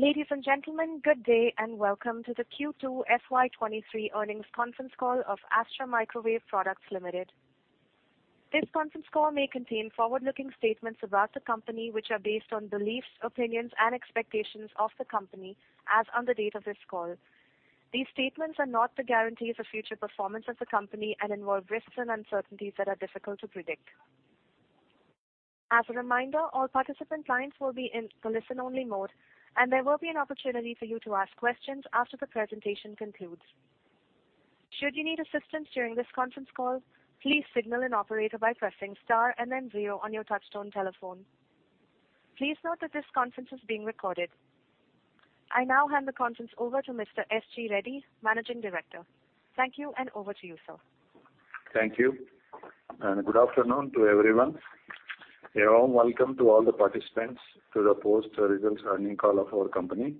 Ladies and gentlemen, good day, and welcome to the Q2 FY23 earnings conference call of Astra Microwave Products Limited. This conference call may contain Forward-Looking statements about the company, which are based on beliefs, opinions and expectations of the company as on the date of this call. These statements are not the guarantees of future performance of the company, and involve risks and uncertainties that are difficult to predict. As a reminder, all participant lines will be in the Listen-Only mode, and there will be an opportunity for you to ask questions after the presentation concludes. Should you need assistance during this conference call, please signal an operator by pressing star and then zero on your touchtone telephone. Please note that this conference is being recorded. I now hand the conference over to Mr. S.G. Reddy, Managing Director. Thank you, and over to you, sir. Thank you, and good afternoon to everyone. A warm welcome to all the participants to the post-results earnings call of our company.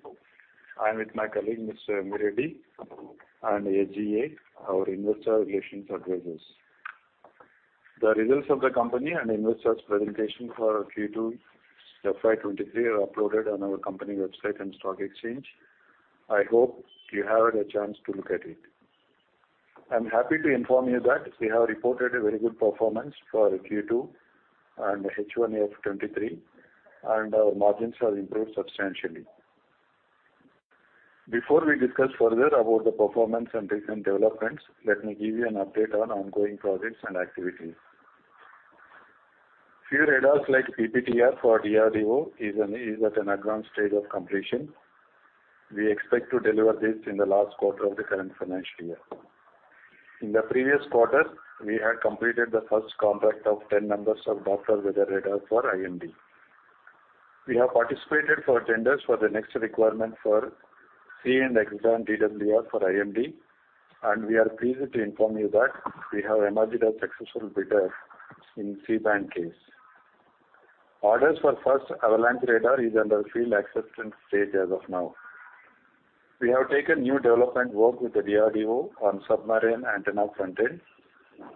I'm with my colleague, Mr. M. V. Reddy, and SGA, our investor relations advisors. The results of the company and investor presentation for Q2 FY 2023 are uploaded on our company website and stock exchange. I hope you had a chance to look at it. I'm happy to inform you that we have reported a very good performance for Q2 and H1 FY 2023, and our margins have improved substantially. Before we discuss further about the performance and recent developments, let me give you an update on ongoing projects and activities. Few radars like PPTR for DRDO is at an advanced stage of completion. We expect to deliver this in the last 1/4 of the current financial year. In the previous 1/4, we had completed the first contract of 10 numbers of Doppler weather radar for IMD. We have participated for tenders for the next requirement for C- and X-band DWR for IMD, and we are pleased to inform you that we have emerged as successful bidder in C-band case. Orders for first avalanche radar is under field acceptance stage as of now. We have taken new development work with the DRDO on submarine antenna front end.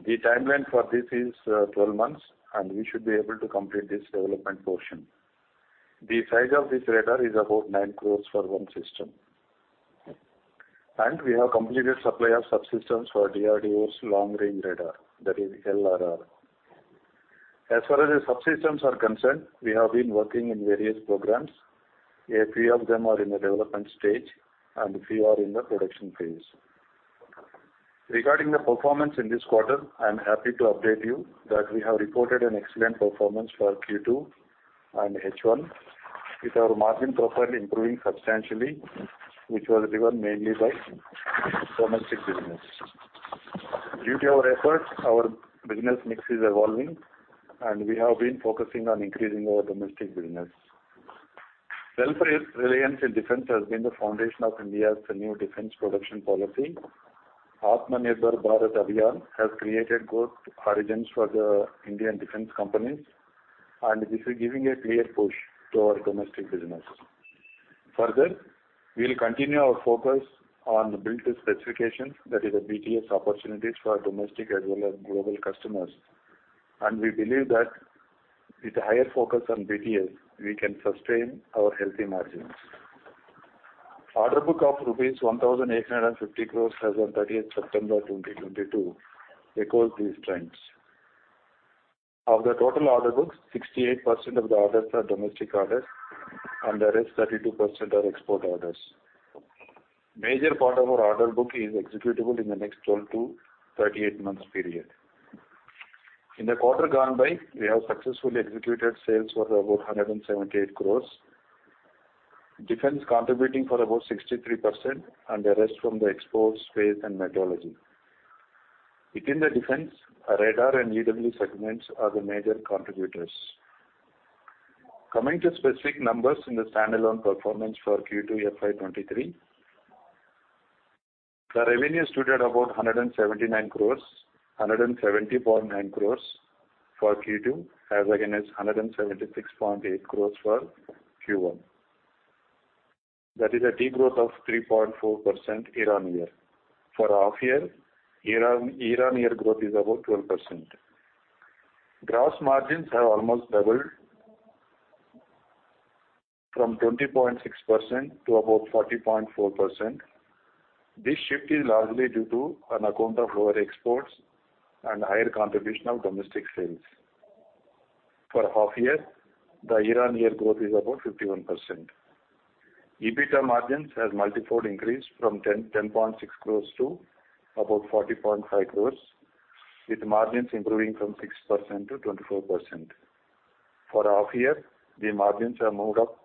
The timeline for this is 12 months, and we should be able to complete this development portion. The size of this radar is about 9 crore for one system. We have completed supply of subsystems for DRDO's Long-Range Radar, that is LRR. As far as the subsystems are concerned, we have been working in various programs. A few of them are in the development stage, and few are in the production phase. Regarding the performance in this 1/4, I am happy to update you that we have reported an excellent performance for Q2 and H1, with our margin profile improving substantially, which was driven mainly by domestic business. Due to our efforts, our business mix is evolving, and we have been focusing on increasing our domestic business. Self-reliance in defense has been the foundation of India's new defense production policy. Aatmanirbhar Bharat Abhiyan has created good horizons for the Indian defense companies, and this is giving a clear push to our domestic business. Further, we will continue our focus on Build-To-Specification, that is BTS opportunities for our domestic as well as global customers. We believe that with higher focus on BTS, we can sustain our healthy margins. Order book of rupees 1,850 crores as on 30th September 2022 echoes these trends. Of the total order books, 68% of the orders are domestic orders, and the rest 32% are export orders. Major part of our order book is executable in the next 12-38 months period. In the 1/4 gone by, we have successfully executed sales for about 178 crores. Defense contributing for about 63% and the rest from the export, space and meteorology. Within the defense, our radar and EW segments are the major contributors. Coming to specific numbers in the standalone performance for Q2 FY 2023, the revenue stood at about 179 crores, 170.9 crores for Q2, as against 176.8 crores for Q1. That is a degrowth of 3.4% Year-On-Year. For half Year-On-Year growth is about 12%. Gross margins have almost doubled from 20.6% to about 40.4%. This shift is largely due to on account of lower exports and higher contribution of domestic sales. For half year, the Year-On-Year growth is about 51%. EBITDA margins has multi-fold increased from 10.6 crores to about 40.5 crores, with margins improving from 6% to 24%. For half year, the margins have moved up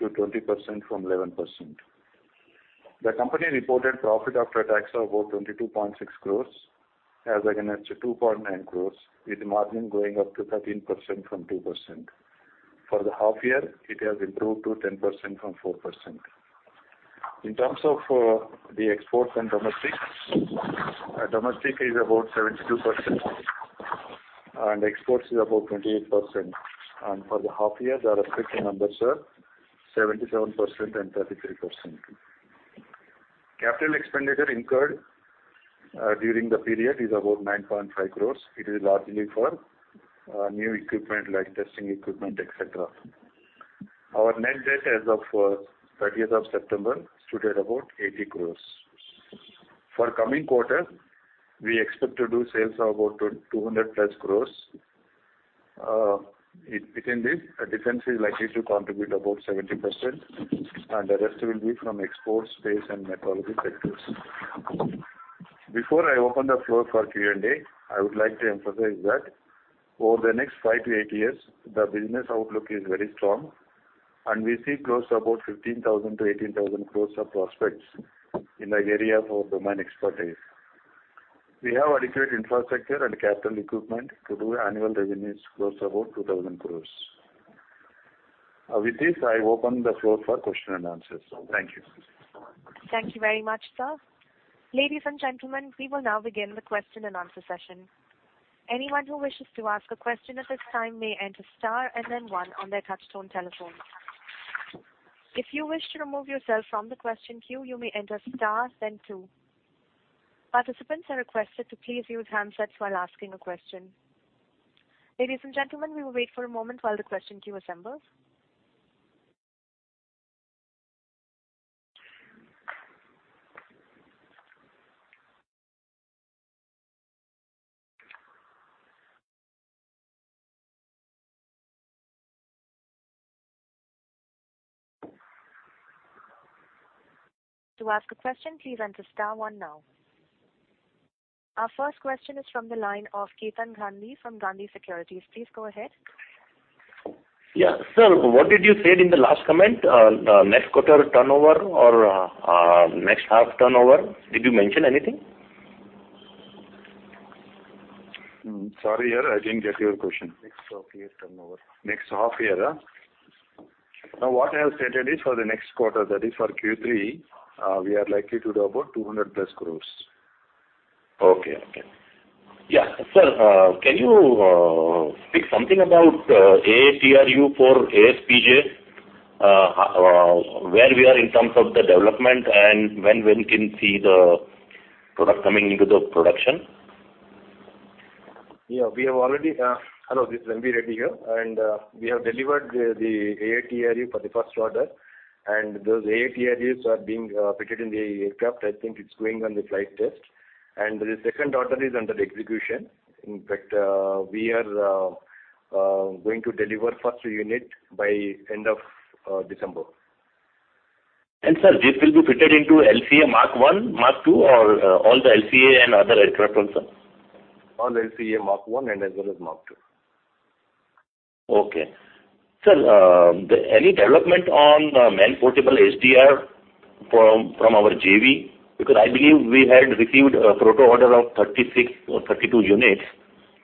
to 20% from 11%. The company reported profit after tax of about 22.6 crores as against 2.9 crores, with margin going up to 13% from 2%. For the half year, it has improved to 10% from 4%. In terms of the exports and domestic is about 72% and exports is about 28%. For the half year, the respective numbers are 77% and 33%. Capital expenditure incurred during the period is about 9.5 crores. It is largely for new equipment like testing equipment, et cetera. Our net debt as of 30th of September stood at about 80 crores. For coming 1/4, we expect to do sales of about 200+ crores. Within this, defense is likely to contribute about 70%, and the rest will be from export, space and meteorology sectors. Before I open the floor for Q&A, I would like to emphasize that over the next 5-8 years, the business outlook is very strong, and we see close to about 15,000-18,000 crores of prospects in our area of domain expertise. We have adequate infrastructure and capital equipment to do annual revenues close to about 2,000 crores. With this, I open the floor for question and answers. Thank you. Thank you very much, sir. Ladies and gentlemen, we will now begin the Question-And-Answer session. Anyone who wishes to ask a question at this time may enter star and then one on their touchtone telephone. If you wish to remove yourself from the question queue, you may enter star then 2. Participants are requested to please use handsets while asking a question. Ladies and gentlemen, we will wait for a moment while the question queue assembles. To ask a question, please enter star one now. Our first question is from the line of Ketan Gandhi from Gandhi Securities. Please go ahead. Yeah. Sir, what did you said in the last comment? The next 1/4 turnover or next half turnover? Did you mention anything? Sorry, here, I didn't get your question. Next half year turnover. Next half year. Now, what I have stated is for the next 1/4, that is for Q3, we are likely to do about 200+ crores. Okay. Yeah. Sir, can you speak something about AATRU for ASPJ? Where we are in terms of the development and when will we can see the product coming into the production? Hello, this is V. Reddy here, and we have delivered the AATRU for the first order, and those AATRUs are being fitted in the aircraft. I think it's going on the flight test. The second order is under execution. In fact, we are going to deliver first unit by end of December. Sir, this will be fitted into Tejas Mark 1, Mark II or all the LCA and other aircraft also? All Tejas Mark 1 and as well as Mark II. Okay. Sir, any development on Manpack SDR from our JV? Because I believe we had received a proto order of 36 or 32 units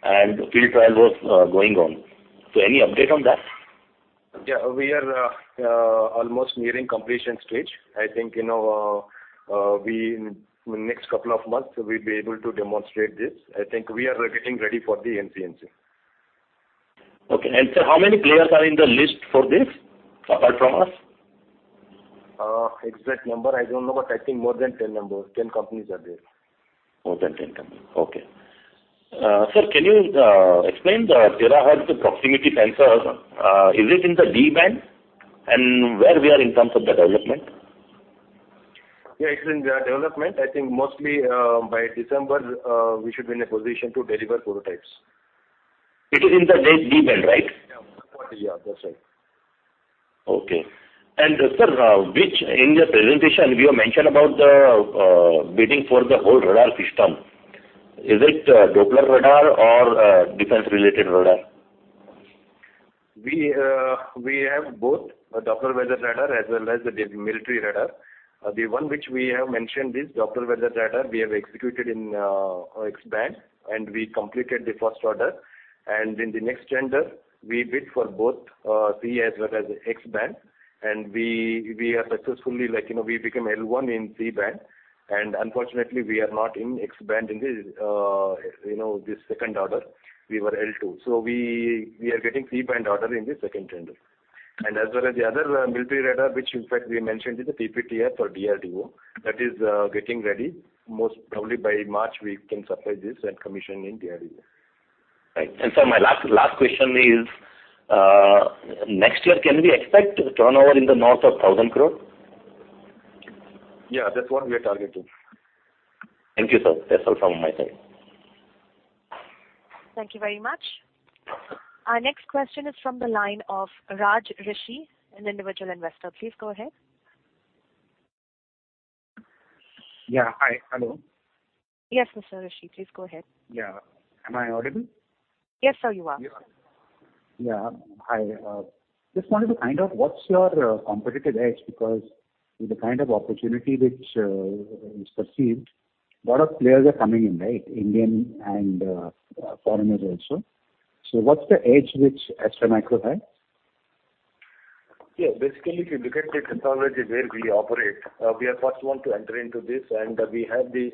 and field trial was going on. Any update on that? Yeah. We are almost nearing completion stage. I think, you know, in next couple of months we'll be able to demonstrate this. I think we are getting ready for the NCNC. Okay. Sir, how many players are in the list for this, apart from us? Exact number I don't know, but I think more than 10 members, 10 companies are there. More than 10 companies. Okay. Sir, can you explain the TeraHertz Proximity Sensor? Is it in the D band? Where we are in terms of the development? Yeah, it's in the development. I think mostly, by December, we should be in a position to deliver prototypes. It is in the mid D band, right? Yeah. Yeah, that's right. Okay. Sir, in your presentation you have mentioned about the bidding for the whole radar system. Is it Doppler radar or defense-related radar? We have both the Doppler weather radar as well as the military radar. The one which we have mentioned is Doppler weather radar. We have executed in X-band, and we completed the first order. In the next tender we bid for both, C as well as X-band. We are successfully, like, you know, we became L1 in C-band. Unfortunately, we are not in X-band in this, you know, this second order. We were L2. We are getting C-band order in the second tender. As well as the other military radar, which in fact we mentioned is the PPTR for DRDO. That is getting ready. Most probably by March we can supply this and commission in DRDO. Right. Sir, my last question is, next year can we expect turnover in the north of 1,000 crore? Yeah, that's what we are targeting. Thank you, sir. That's all from my side. Thank you very much. Our next question is from the line of Raj Rishi, an individual investor. Please go ahead. Yeah. Hi. Hello. Yes, Mr. Rishi, please go ahead. Yeah. Am I audible? Yes, sir, you are. Yeah. I just wanted. What's your competitive edge? Because with the kind of opportunity which is perceived, lot of players are coming in, right? Indian and foreigners also. So what's the edge which Astra Microwave has? Yeah. Basically, if you look at the technology where we operate, we are first one to enter into this, and we have the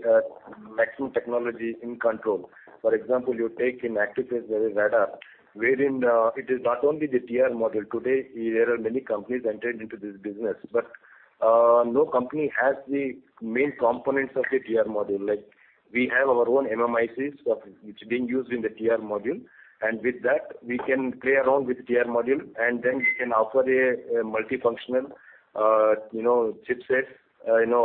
maximum technology in control. For example, you take in actives, there is radar wherein it is not only the TR module. Today, there are many companies entered into this business, but no company has the main components of the TR module. Like, we have our own MMICs which are being used in the TR module. With that, we can play around with TR module, and then we can offer a multifunctional, you know, chipset. You know,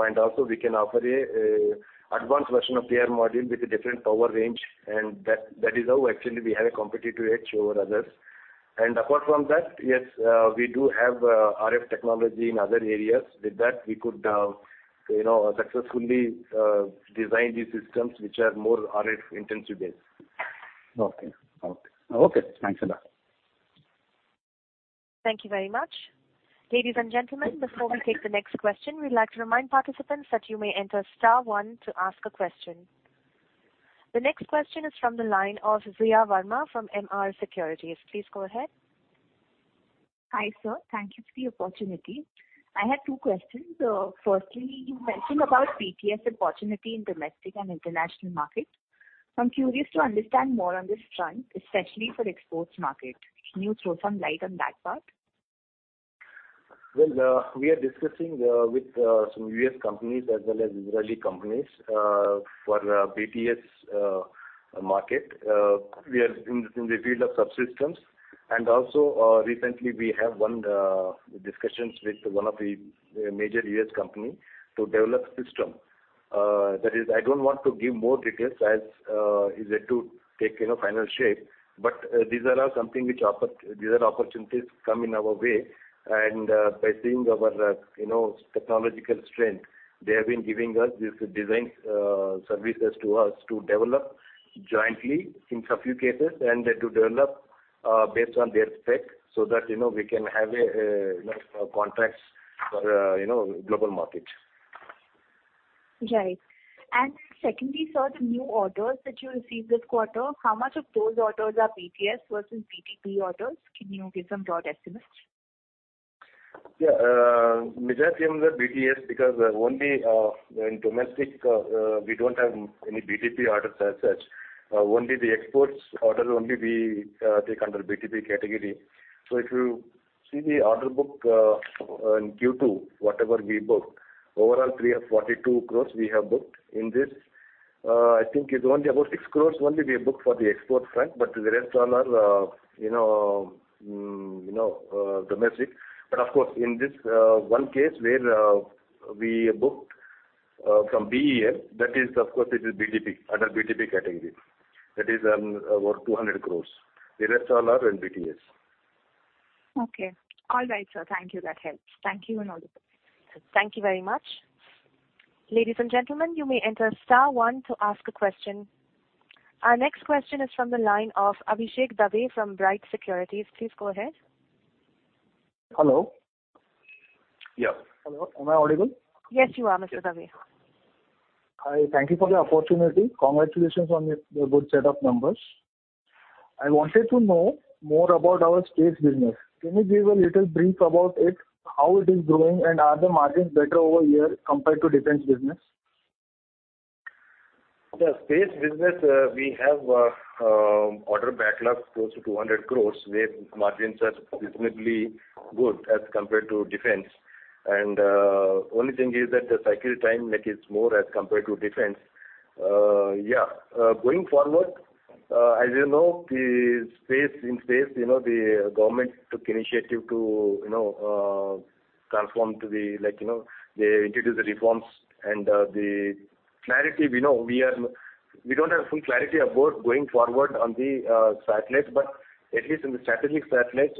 we can offer an advanced version of T/R module with a different power range, and that is how actually we have a competitive edge over others. Apart from that, we do have RF technology in other areas. With that, we could, you know, successfully design these systems which are more RF intensive-based. Okay. Thanks a lot. Thank you very much. Ladies and gentlemen, before we take the next question, we'd like to remind participants that you may enter star one to ask a question. The next question is from the line of Zia Varma from MR Securities. Please go ahead. Hi, sir. Thank you for the opportunity. I had 2 questions. First, you mentioned about BTS opportunity in domestic and international market. I'm curious to understand more on this front, especially for exports market. Can you throw some light on that part? We are discussing with some U.S. companies as well as Israeli companies for BTS market. We are in the field of subsystems. Recently we have ongoing discussions with one of the major U.S. company to develop system. That is, I don't want to give more details as it is yet to take, you know, final shape. These are opportunities come in our way. By seeing our, you know, technological strength, they have been giving us this design services to us to develop jointly in some few cases and to develop based on their spec, so that, you know, we can have a, you know, contracts for, you know, global market. Right. Secondly, sir, the new orders that you received this 1/4, how much of those orders are BTS versus BTP orders? Can you give some rough estimate? Yeah. Majority of them were BTS because only in domestic we don't have any BTP orders as such. Only the exports order only we take under BTP category. If you see the order book in Q2, whatever we booked, overall 342 crores we have booked in this. I think it's only about 6 crores only we have booked for the export front, but the rest all are, you know, you know, domestic. Of course, in this one case where we booked from BEL, that is of course it is BTP, under BTP category. That is about 200 crores. The rest all are in BTS. Okay. All right, sir. Thank you. That helps. Thank you and all the best. Thank you very much. Ladies and gentlemen, you may enter star one to ask a question. Our next question is from the line of Abhishek Dave from Bright Securities. Please go ahead. Hello. Yeah. Hello, am I audible? Yes, you are, Mr. Dave. Hi. Thank you for the opportunity. Congratulations on the good set of numbers. I wanted to know more about our space business. Can you give a little brief about it, how it is growing, and are the margins better over here compared to defense business? The space business, we have order backlog close to 200 crore, where margins are reasonably good as compared to defense. Yeah. Going forward, as you know, in space, you know, the government took initiative to, you know, transform to the, like, you know, they introduced the reforms. We don't have full clarity about going forward on the satellite, but at least in the strategic satellites,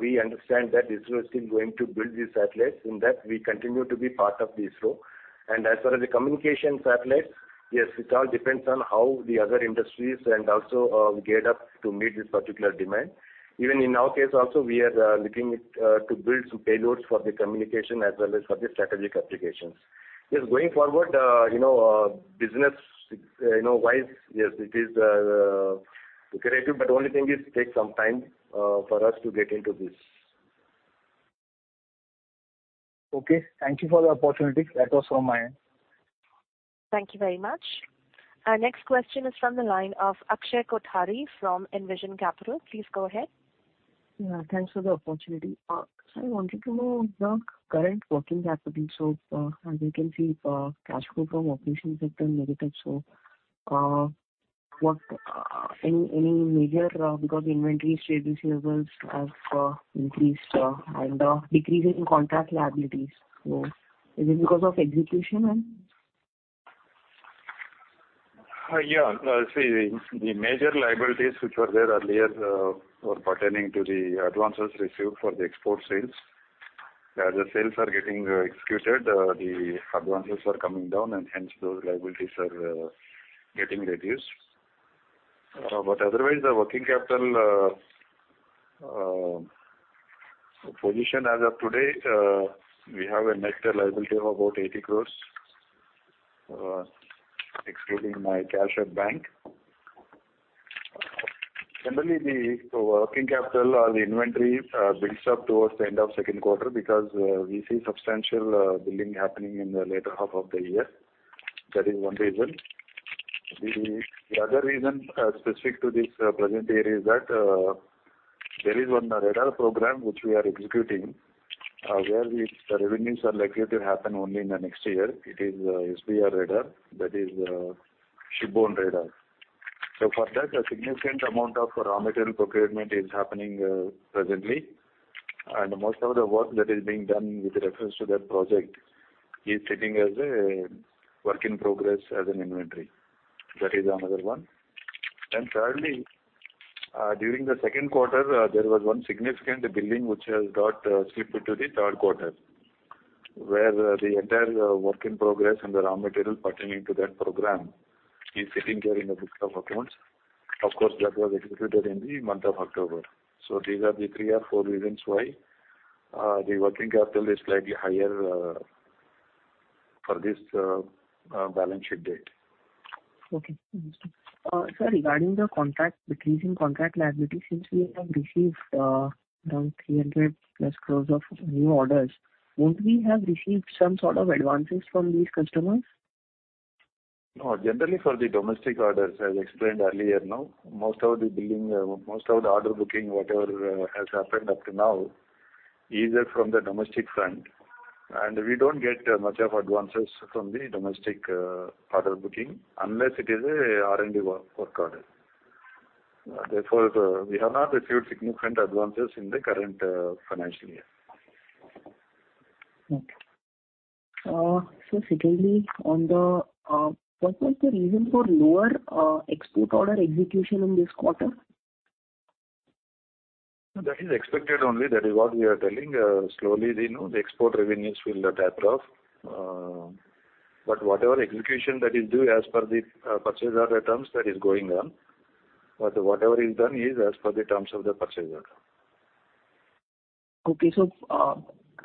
we understand that ISRO is still going to build these satellites, in that we continue to be part of the ISRO. As far as the communication satellite, yes, it all depends on how the other industries and also geared up to meet this particular demand. Even in our case also, we are looking to build some payloads for the communication as well as for the strategic applications. Yes, going forward, you know, business, you know, wise, yes, it is creative, but the only thing is take some time for us to get into this. Okay. Thank you for the opportunity. That was from my end. Thank you very much. Our next question is from the line of Akshay Kothari from Envision Capital. Please go ahead. Yeah, thanks for the opportunity. I wanted to know your current working capital. As we can see, cash flow from operations have turned negative. Because inventory, trade receivables have increased, and a decrease in contract liabilities. Is it because of execution then? Yeah. See, the major liabilities which were there earlier were pertaining to the advances received for the export sales. As the sales are getting executed, the advances are coming down, and hence those liabilities are getting reduced. Otherwise, the working capital position as of today, we have a net liability of about 80 crore, excluding cash at bank. Generally, the working capital or the inventory builds up towards the end of second 1/4 because we see substantial building happening in the later half of the year. That is one reason. The other reason specific to this present year is that there is one radar program which we are executing where the revenues are likely to happen only in the next year. It is SDR radar, that is, shipborne radar. For that, a significant amount of raw material procurement is happening, presently, and most of the work that is being done with reference to that project is sitting as a work in progress as an inventory. That is another one. Thirdly, during the second 1/4, there was one significant billing which has got slipped into the third 1/4, where the entire work in progress and the raw material pertaining to that program is sitting there in the books of accounts. Of course, that was executed in the month of October. These are the 3 or four reasons why the working capital is slightly higher for this balance sheet date. Okay. Understood. Sir, regarding the contract, decreasing contract liability, since we have received around 300+ crore of new orders, won't we have received some sort of advances from these customers? No. Generally, for the domestic orders, as explained earlier now, most of the billing, most of the order booking, whatever has happened up to now is from the domestic front, and we don't get much of advances from the domestic, order booking unless it is a R&D work order. Therefore, we have not received significant advances in the current, financial year. Secondly, what was the reason for lower export order execution in this 1/4? That is expected only. That is what we are telling. Slowly, you know, the export revenues will taper off. Whatever execution that is due as per the purchaser terms, that is going on. Whatever is done is as per the terms of the purchaser.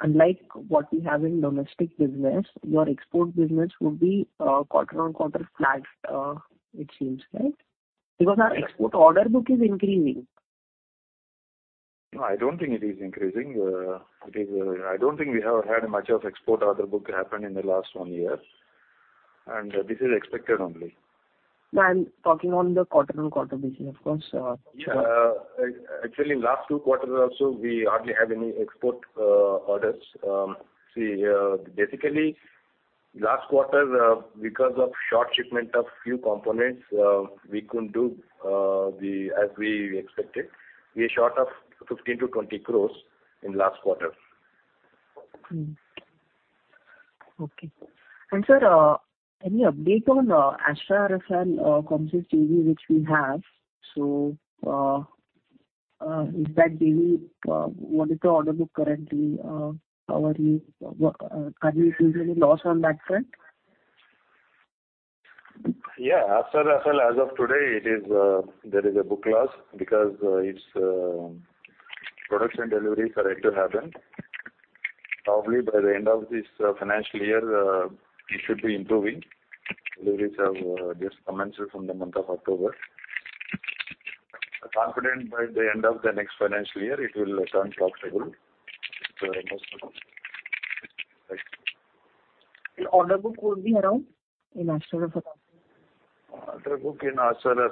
Unlike what we have in domestic business, your export business would be 1/4-on-quarter flat, it seems, right? Because our export order book is increasing. No, I don't think it is increasing. I don't think we have had much of export order book happen in the last one year, and this is expected only. No, I'm talking on the 1/4-over-quarter basis, of course. Yeah. Actually, last 2 quarters also, we hardly had any export orders. See, basically, last 1/4, because of short shipment of few components, we couldn't do as we expected. We're short of 15-20 crores in last 1/4. Sir, any update on Astra Rafael Comsys which we have? What is the order book currently? Quarterly, are we still making loss on that front? Yeah. Astra Rafael Comsys, as of today, there is a book loss because its products and deliveries are yet to happen. Probably by the end of this financial year, it should be improving. Deliveries have just commenced from the month of October. I'm confident by the end of the next financial year, it will turn profitable. Most probably. Right. The order book will be around in Astra Rafael Comsys? Order book in Astra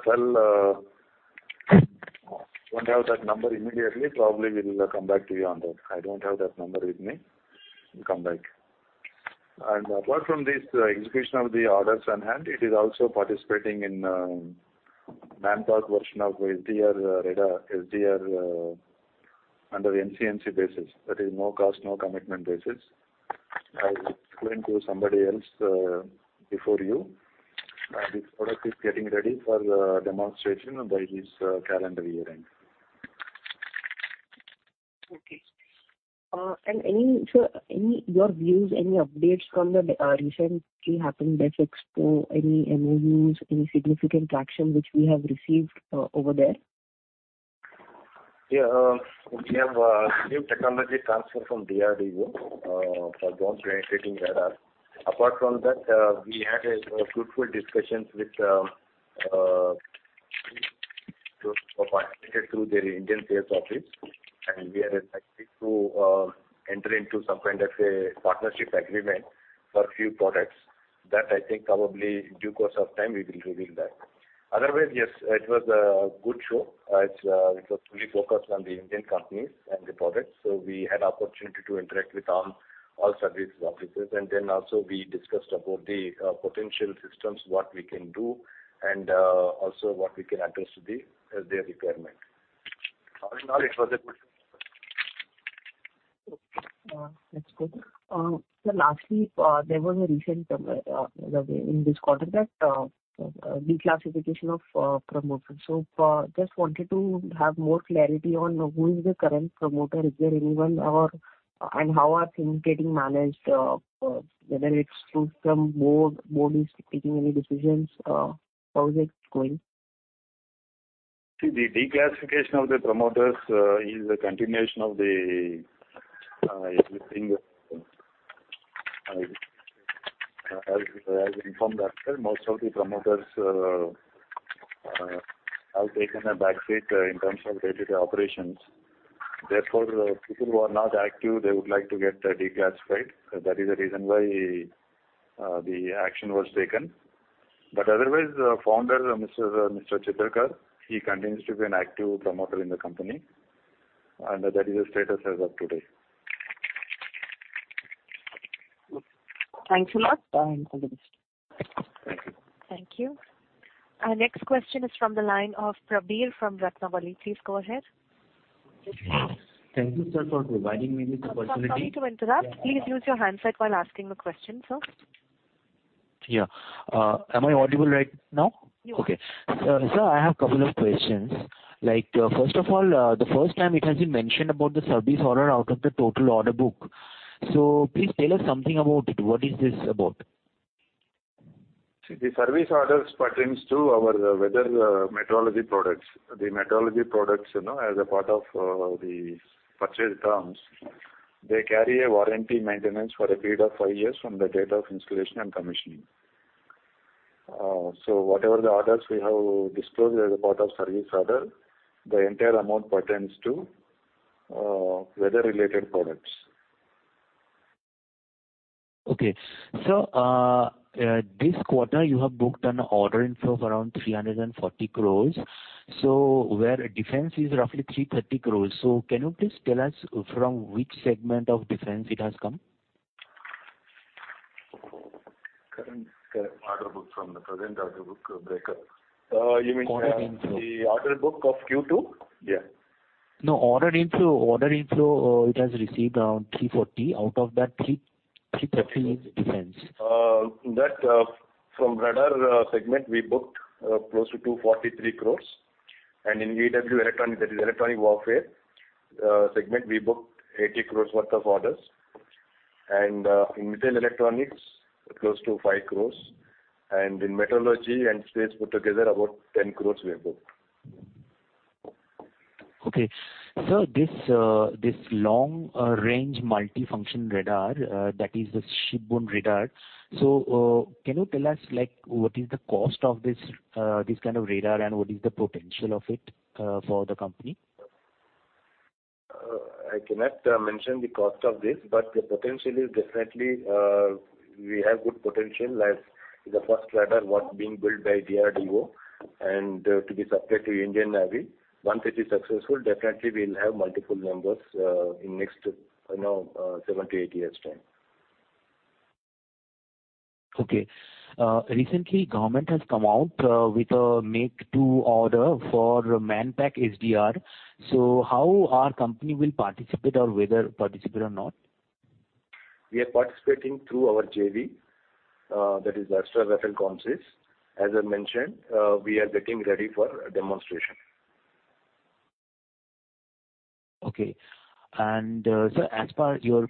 Rafael Comsys. Don't have that number immediately. Probably, we will come back to you on that. I don't have that number with me. We'll come back. Apart from this, execution of the orders on hand, it is also participating in Manpack version of SDR radar under NCNC basis. That is no cost, no commitment basis. I explained to somebody else before you. This product is getting ready for demonstration by this calendar year end. Okay. Any, sir, your views, any updates from the recently happened DefExpo, any MoUs, any significant traction which we have received over there? We have new technology transfer from DRDO for Drone Detection Radar. Apart from that, we had fruitful discussions with, through their Indian sales office, and we are expecting to enter into some kind of a partnership agreement for a few products. That I think probably in due course of time we will reveal that. Otherwise, yes, it was a good show. It was fully focused on the Indian companies and the products, so we had opportunity to interact with all services offices. Then also we discussed about the potential systems, what we can do, and also what we can address to their requirement. Other than that, it was a good show. Okay. That's good. Sir, lastly, there was a recent reclassification of promoters in this 1/4. Just wanted to have more clarity on who is the current promoter? Is there anyone? How are things getting managed, whether it's through some board is taking any decisions, how is it going? See, the declassification of the promoters is a continuation of the existing. I'll inform that, sir. Most of the promoters have taken a back seat in terms of day-to-day operations. Therefore, people who are not active, they would like to get declassified. That is the reason why the action was taken. Otherwise, Founder Mr. Chitrakar continues to be an active promoter in the company, and that is the status as of today. Thanks a lot. Thank you. Thank you. Our next question is from the line of Prabir from Ratnamani. Please go ahead. Thank you, sir, for providing me this opportunity. Sorry to interrupt. Please use your handset while asking the question, sir. Yeah. Am I audible right now? Yes. Okay. Sir, I have a couple of questions. Like, first of all, the first time it has been mentioned about the service order out of the total order book. Please tell us something about it. What is this about? See, the service orders pertain to our weather, meteorology products. The meteorology products, you know, as a part of, the purchase terms, they carry a warranty maintenance for a period of 5 years from the date of installation and commissioning. Whatever the orders we have disclosed as a part of service order, the entire amount pertains to, weather-related products. This 1/4, you have booked an order inflow of around 340 crores, where defense is roughly 330 crores. Can you please tell us from which segment of defense it has come? Current Order book from the present order book breakup. You mean. Order inflow. The order book of Q2? Yeah. No, order inflow. Order inflow, it has received around 340. Out of that, 330 is defense. From radar segment, we booked close to 243 crore. In EW electronic, that is electronic warfare, segment, we booked 80 crore worth of orders. In missile electronics, close to 5 crore. In meteorology and space put together, about 10 crore we have booked. Okay. Sir, this long range multifunction radar that is the shipborne radar. Can you tell us, like, what is the cost of this kind of radar and what is the potential of it for the company? I cannot mention the cost of this, but the potential is definitely we have good potential as the first radar what's being built by DRDO and to be supplied to Indian Navy. Once it is successful, definitely we'll have multiple numbers in next, you know, 7-8 years' time. Okay. Recently government has come out with a make to order for Manpack SDR. How our company will participate or whether participate or not? We are participating through our JV, that is Astra Rafael Comsys. As I mentioned, we are getting ready for a demonstration. Okay. Sir, as per your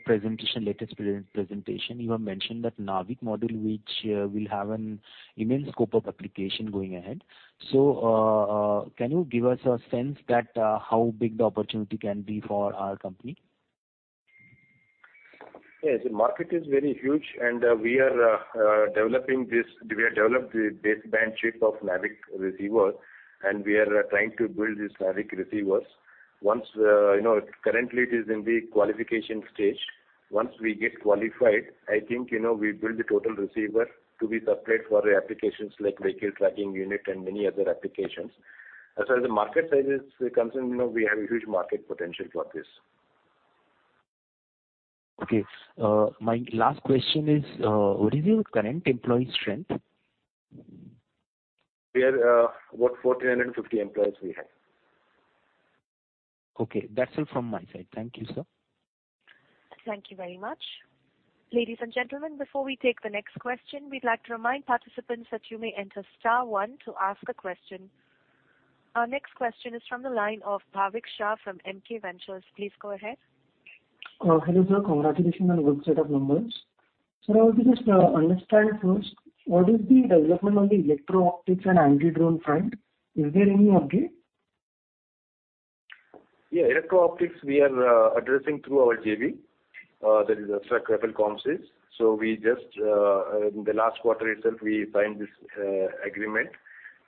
latest presentation, you have mentioned that NavIC model, which will have an immense scope of application going ahead. Can you give us a sense of how big the opportunity can be for our company? Yes. The market is very huge, and we are developing this. We have developed the baseband chip of NavIC receiver, and we are trying to build these NavIC receivers. Once, you know, currently it is in the qualification stage. Once we get qualified, I think, you know, we build the total receiver to be supplied for applications like vehicle tracking unit and many other applications. As far as the market size is concerned, you know, we have a huge market potential for this. Okay. My last question is, what is your current employee strength? We are about 1,450 employees we have. Okay. That's all from my side. Thank you, sir. Thank you very much. Ladies and gentlemen, before we take the next question, we'd like to remind participants that you may enter star one to ask a question. Our next question is from the line of Bhavik Shah from MK Ventures. Please go ahead. Hello, sir. Congratulations on good set of numbers. Sir, I want to just understand first, what is the development on the electro-optics and anti-drone front? Is there any update? Yeah. Electro-optics we are addressing through our JV, that is Astra Rafael Comsys. We just in the last 1/4 itself, we signed this agreement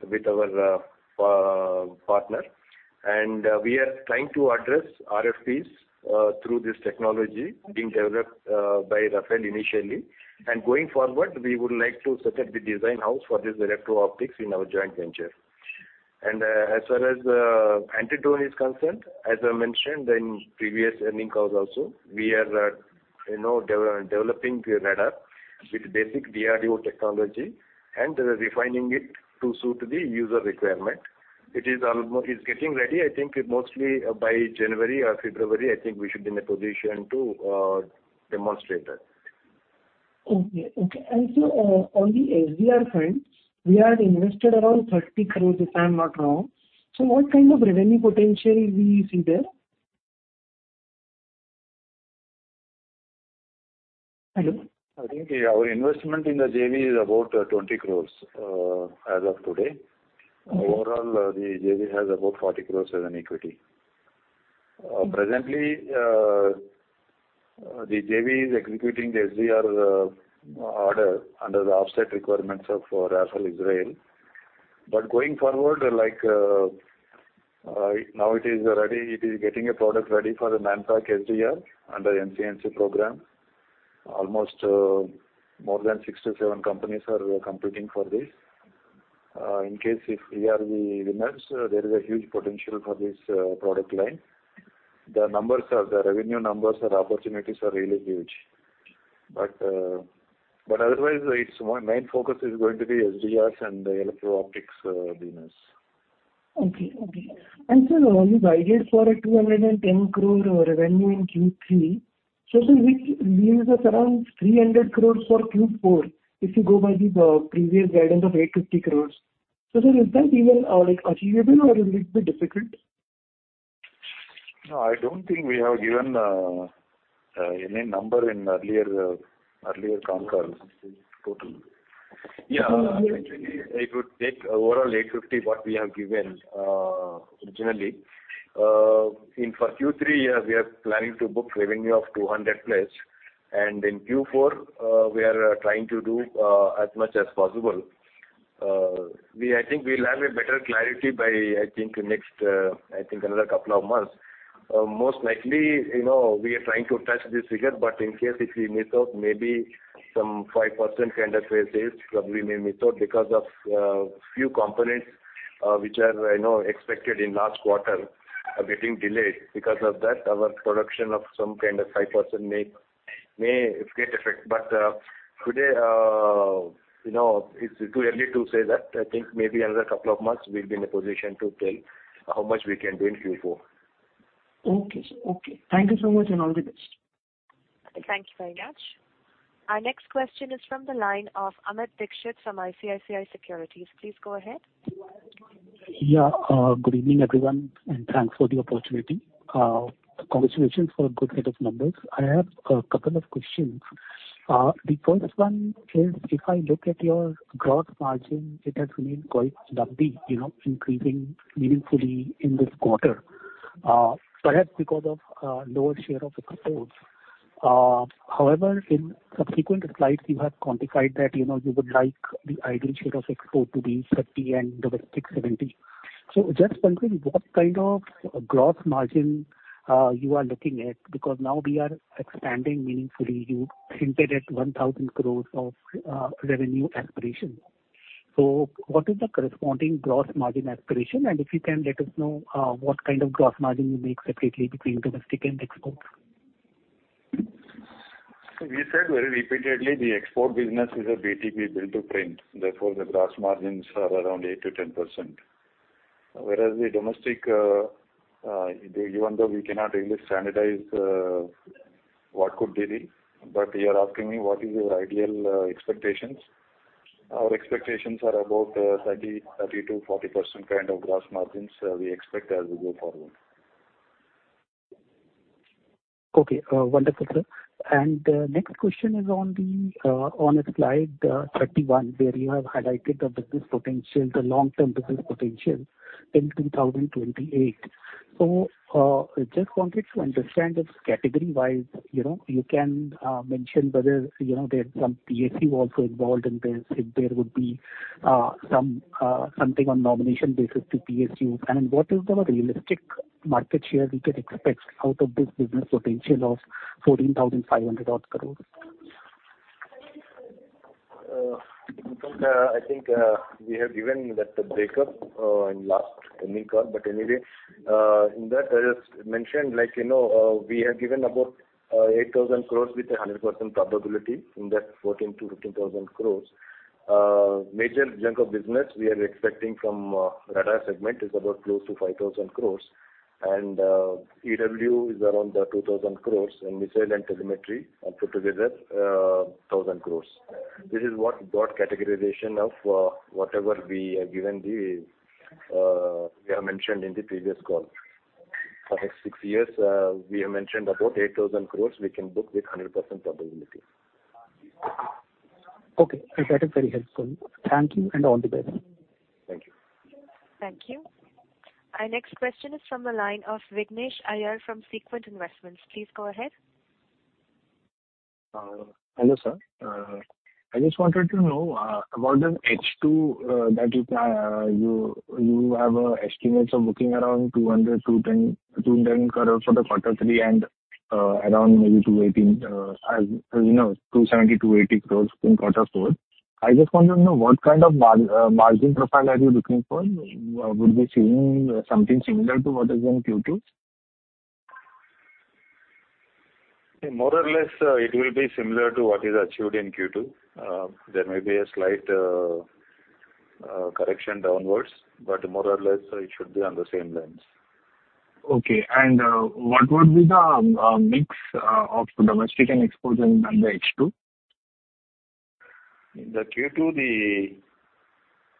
with our partner. We are trying to address RFPs through this technology being developed by Rafael initially. Going forward, we would like to set up the design house for this electro-optics in our joint venture. As far as anti-drone is concerned, as I mentioned in previous earnings calls also, we are you know developing the radar with basic DRDO technology and refining it to suit the user requirement. It's getting ready. I think it mostly by January or February, I think we should be in a position to demonstrate that. Sir, on the SDR front, we had invested around 30 crores, if I'm not wrong. What kind of revenue potential we see there? Hello? I think our investment in the JV is about 20 crore as of today. Okay. Overall, the JV has about 40 crore as an equity. Presently, the JV is executing the SDR order under the offset requirements of Rafael Israel. Going forward, like, now it is ready. It is getting a product ready for the Manpack SDR under MCMC program. Almost, more than 67 companies are competing for this. In case if we are the winners, there is a huge potential for this product line. The numbers are the revenue numbers or opportunities are really huge. Otherwise, its main focus is going to be SDRs and the Electro-Optics business. Okay. You guided for 210 crore revenue in Q3. It leaves us around 300 crore for Q4, if you go by the previous guidance of 850 crore. Sir, is that even like achievable or it will be difficult? No, I don't think we have given any number in earlier con calls total. Yeah. Actually, if you take overall 850, what we have given originally in for Q3, yeah, we are planning to book revenue of 200 plus. In Q4, we are trying to do as much as possible. I think we'll have a better clarity by, I think, next, I think another couple of months. Most likely, you know, we are trying to touch this figure, but in case if we miss out, maybe some 5% kind of sales probably may miss out because of few components, which are, you know, expected in last 1/4 are getting delayed. Because of that, our production of some kind of 5% may get affected. Today, you know, it's too early to say that. I think maybe another couple of months we'll be in a position to tell how much we can do in Q4. Okay, sir. Okay. Thank you so much, and all the best. Thank you very much. Our next question is from the line of Amit Dixit from ICICI Securities. Please go ahead. Yeah. Good evening, everyone, and thanks for the opportunity. Congratulations for a good set of numbers. I have a couple of questions. The first one is if I look at your gross margin, it has remained quite lumpy, you know, increasing meaningfully in this 1/4, perhaps because of lower share of exports. However, in subsequent slides, you have quantified that, you know, you would like the ideal share of export to be 30 and domestic 70. Just wondering what kind of gross margin you are looking at? Because now we are expanding meaningfully. You hinted at 1,000 crores of revenue aspiration. What is the corresponding gross margin aspiration? And if you can let us know what kind of gross margin you make separately between domestic and exports. We've repeatedly said the export business is a Build-To-Print, therefore the gross margins are around 8%-10%. Whereas the domestic, even though we cannot really standardize, you are asking me what is our ideal expectations. Our expectations are about 30%-40% kind of gross margins we expect as we go forward. Okay. Wonderful, sir. Next question is on slide 31, where you have highlighted the business potential, the long-term business potential in 2028. Just wanted to understand if Category-Wise, you know, you can mention whether, you know, there's some PSU also involved in this, if there would be something on nomination basis to PSUs. What is the realistic market share we can expect out of this business potential of 14,500-odd crore? Amit, I think we have given that breakdown in last earnings call. Anyway, in that I just mentioned, like, you know, we have given about 8,000 crore with 100% probability in that 14,000 crore-15,000 crore. Major chunk of business we are expecting from radar segment is about close to 5,000 crore. EW is around 2,000 crore, and missile and telemetry all put together 1,000 crore. This is what broad categorization of whatever we have mentioned in the previous call. For next six years, we have mentioned about 8,000 crore we can book with 100% probability. Okay. That is very helpful. Thank you and all the best. Thank you. Thank you. Our next question is from the line of Vignesh Iyer from Sequent Investments. Please go ahead. Hello, sir. I just wanted to know about the H2 that you have estimates of bookings around 200-210 crore for 1/4 3 and around maybe 218, as you know, 270-280 crore in 1/4 four. I just want to know what kind of margin profile are you looking for? Would we be seeing something similar to what is in Q2? More or less, it will be similar to what is achieved in Q2. There may be a slight correction downwards, but more or less, it should be on the same lines. Okay. What would be the mix of domestic and exports in under H2? In Q2,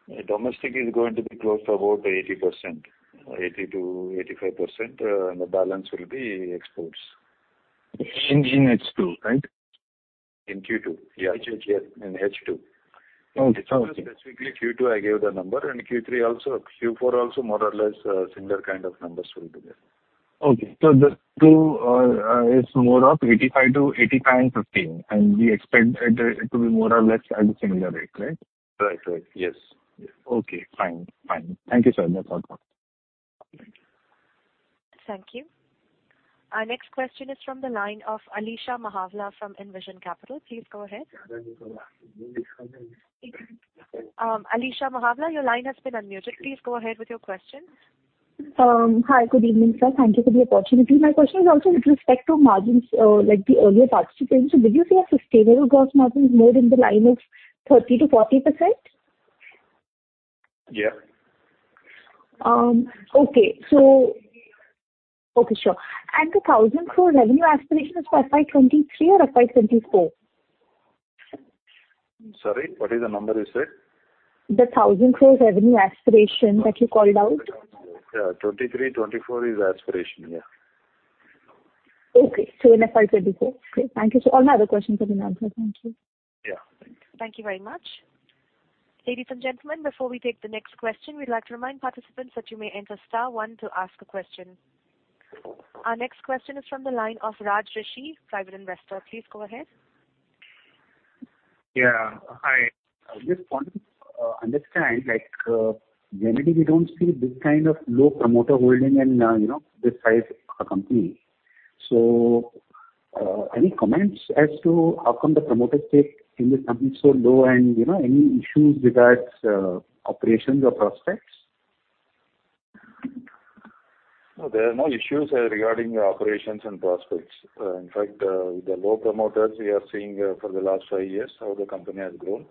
the domestic is going to be close to about 80%, 80%-85%. The balance will be exports. In H2, right? In Q2. Yeah. In H2. Okay. Specifically Q2 I gave the number, and Q3 also. Q4 also more or less, similar kind of numbers will be there. The mix is more of 85%-15%, and we expect it to be more or less at the similar rate, right? Right. Right. Yes. Yes. Okay. Fine. Thank you, sir. No problem. Okay. Thank you. Our next question is from the line of Alisha Mahavla from Envision Capital. Please go ahead. Alisha Mahavla, your line has been unmuted. Please go ahead with your question. Hi. Good evening, sir. Thank you for the opportunity. My question is also with respect to margins, like the earlier participant. Will you say a sustainable gross margin is more in the line of 30%-40%? Yeah. The 1,000 crore revenue aspiration is for FY 2023 or FY 2024? Sorry, what is the number you said? The 1,000 crore revenue aspiration that you called out. Yeah. 2023-2024 is aspirational. Yeah. Okay. In FY 2024. Great. Thank you, sir. All my other questions have been answered. Thank you. Yeah. Thanks. Thank you very much. Ladies and gentlemen, before we take the next question, we'd like to remind participants that you may enter star one to ask a question. Our next question is from the line of Raj Rishi, private investor. Please go ahead. Hi. I just want to understand, like, generally we don't see this kind of low promoter holding in, you know, this size of company. Any comments as to how come the promoter stake in this company is so low and, you know, any issues regarding operations or prospects? No. There are no issues regarding operations and prospects. In fact, the low promoter stake we are seeing for the last 5 years, how the company has grown.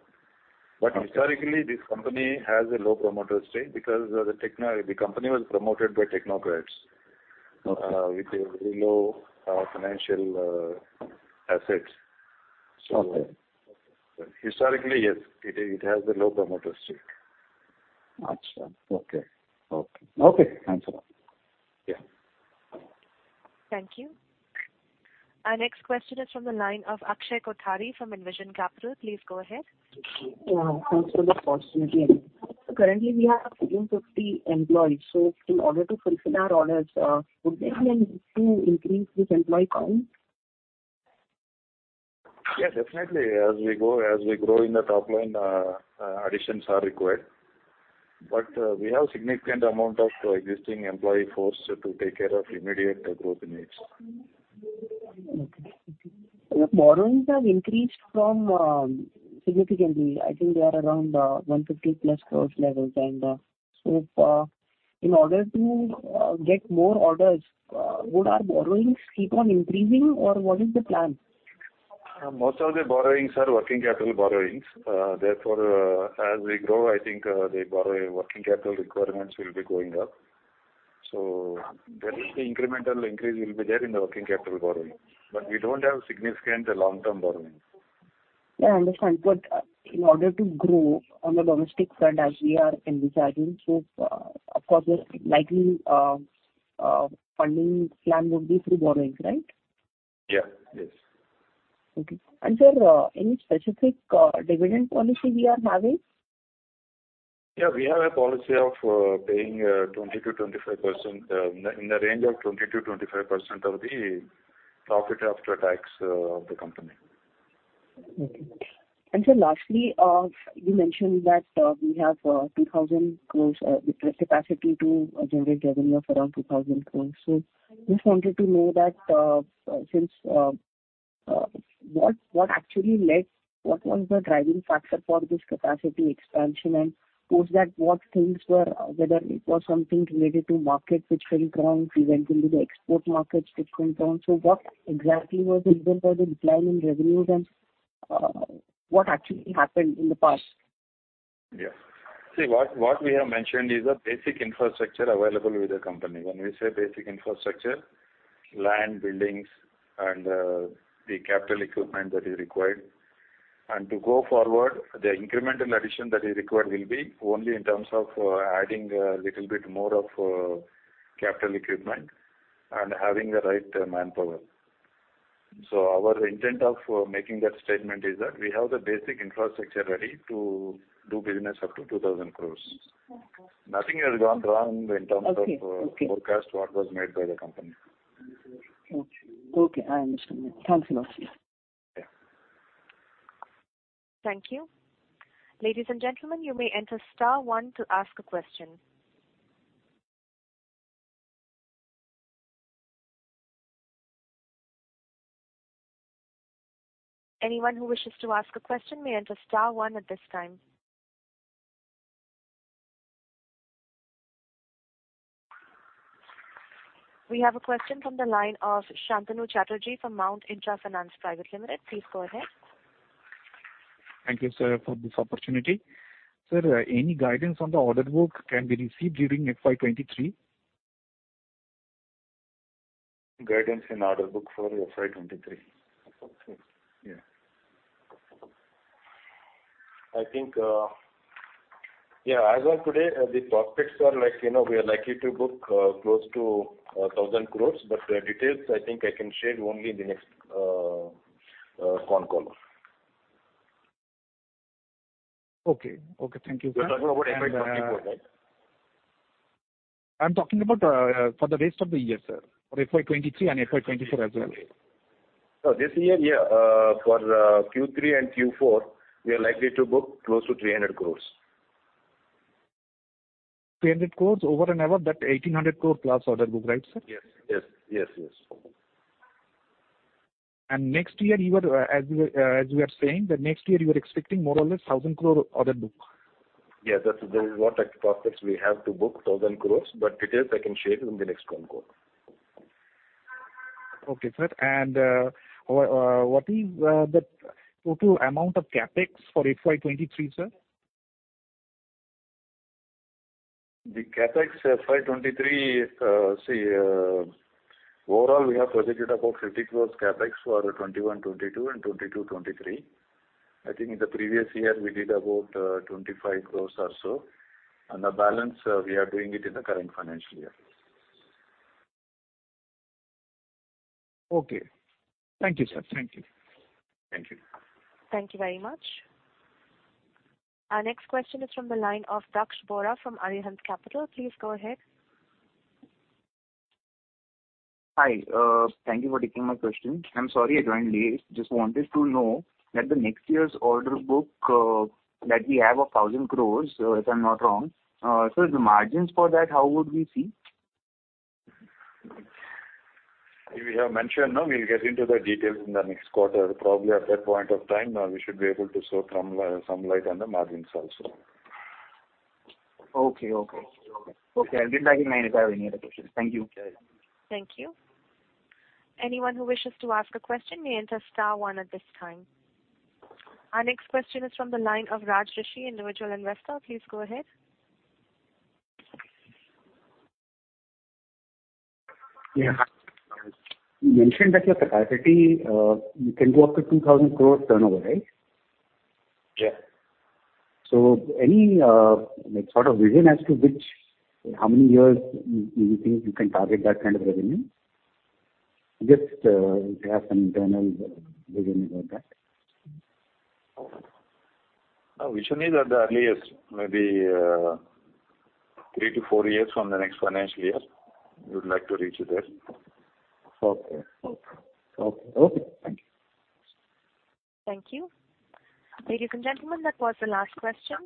Historically, this company has a low promoter stake because the company was promoted by technocrats. Okay. With a very low financial assets. Okay. Historically, yes. It has a low promoter stake. Got you. Okay. Thanks a lot. Yeah. Thank you. Our next question is from the line of Akshay Kothari from Envision Capital. Please go ahead. Thanks for this opportunity. Currently we have 150 employees, so in order to fulfill our orders, would there be a need to increase this employee count? Yeah, definitely. As we go, as we grow in the top line, additions are required. We have significant amount of existing employee force to take care of immediate growth needs. Okay. Thank you. Sir, borrowings have increased significantly. I think they are around 150+ crores levels. In order to get more orders, would our borrowings keep on increasing or what is the plan? Most of the borrowings are working capital borrowings. Therefore, as we grow, I think, working capital requirements will be going up. There is the incremental increase will be there in the working capital borrowing. We don't have significant long-term borrowings. Yeah, I understand. In order to grow on the domestic front as we are envisaging, of course the likely funding plan would be through borrowings, right? Yeah. Yes. Okay. Sir, any specific dividend policy we are having? We have a policy of paying 20%-25% in the range of 20%-25% of the profit after tax of the company. Okay. Sir, lastly, you mentioned that we have 2,000 crores with the capacity to generate revenue of around 2,000 crores. Just wanted to know that since what actually led, what was the driving factor for this capacity expansion. Post that, what things were, whether it was something related to market which fell down, eventually the export markets which went down. What exactly was the reason for the decline in revenues and what actually happened in the past? Yeah. See, what we have mentioned is the basic infrastructure available with the company. When we say basic infrastructure, land, buildings, and the capital equipment that is required. To go forward, the incremental addition that is required will be only in terms of adding a little bit more of capital equipment and having the right manpower. Our intent of making that statement is that we have the basic infrastructure ready to do business up to 2,000 crores. Okay. Nothing has gone wrong in terms of. Okay. Okay. Forecast what was made by the company. Okay. I understand that. Thanks a lot, sir. Yeah. Thank you. Ladies and gentlemen, you may enter star one to ask a question. Anyone who wishes to ask a question may enter star one at this time. We have a question from the line of Santanu Chatterjee from Mount Intra Finance Private Limited. Please go ahead. Thank you, sir, for this opportunity. Sir, any guidance on the order book can be received during FY 2023? Guidance in order book for FY23. Okay. I think, as of today, the prospects are like, you know, we are likely to book close to 1,000 crores. The details I think I can share only in the next con call. Okay. Thank you, sir. You're talking about FY 24, right? I'm talking about for the rest of the year, sir. For FY 23 and FY 24 as well. This year, for Q3 and Q4, we are likely to book close to 300 crore. 300 crore over and above that 1,800 crore plus order book, right, sir? Yes. Next year you are, as you were saying, that next year you are expecting more or less 1,000 crore order book. Yeah. That is what prospects we have to book 1,000 crores. Details I can share in the next con call. Okay, sir. What is the total amount of CapEx for FY 23, sir? The CapEx FY23, overall we have budgeted about INR 50 crores CapEx for 21-22 and 22-23. I think in the previous year we did about 25 crores or so, and the balance we are doing it in the current financial year. Okay. Thank you, sir. Thank you. Thank you. Thank you very much. Our next question is from the line of Daksh Bora from Arihant Capital. Please go ahead. Hi. Thank you for taking my question. I'm sorry I joined late. Just wanted to know that the next year's order book, that we have 1,000 crores, if I'm not wrong. The margins for that, how would we see? We have mentioned, no? We'll get into the details in the next 1/4. Probably at that point of time, we should be able to throw some light on the margins also. Okay. Okay. I'll get back in line if I have any other questions. Thank you. Thank you. Anyone who wishes to ask a question may enter star one at this time. Our next question is from the line of Raj Rishi, Individual Investor. Please go ahead. Yeah. You mentioned that your capacity, you can do up to 2,000 crore turnover, right? Yeah. Any like sort of vision as to which how many years you think you can target that kind of revenue? Just if you have some internal vision about that. Vision is at the earliest, maybe, 3-4 years from the next financial year we would like to reach there. Okay. Okay. Okay. Thank you. Thank you. Ladies and gentlemen, that was the last question.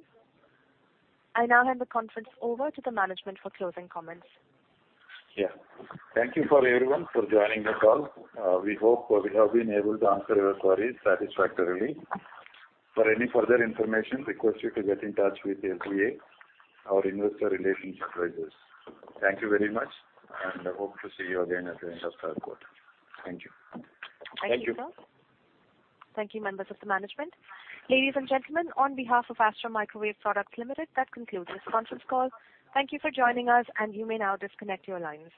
I now hand the conference over to the management for closing comments. Yeah. Thank you for everyone for joining the call. We hope we have been able to answer your queries satisfactorily. For any further information, request you to get in touch with SGA, our investor relations advisors. Thank you very much, and hope to see you again at the end of third 1/4. Thank you. Thank you, sir. Thank you. Thank you, members of the management. Ladies and gentlemen, on behalf of Astra Microwave Products Limited, that concludes this conference call. Thank you for joining us, and you may now disconnect your lines.